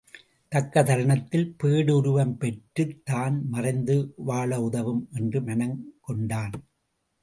தக்க தருணத்தில் பேடு உருவம் பெற்றுத் தான் மறைந்து வாழ உதவும் என்று மனம் கொண்டான்.